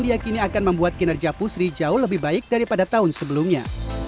diakini akan membuat kinerja pusri jauh lebih baik daripada tahun sebelumnya